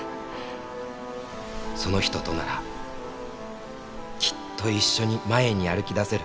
「その人とならきっと一緒に前に歩き出せる」